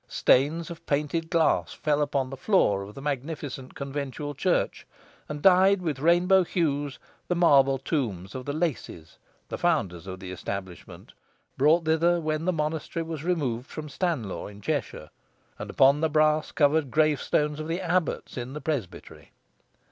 Stains of painted glass fell upon the floor of the magnificent conventual church, and dyed with rainbow hues the marble tombs of the Lacies, the founders of the establishment, brought thither when the monastery was removed from Stanlaw in Cheshire, and upon the brass covered gravestones of the abbots in the presbytery.